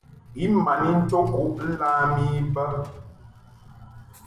I ma n into kuʼ lam I bə.